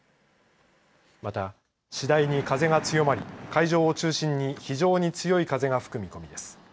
また、次第に風が強まり海上を中心に非常に強い風が吹く見込みです。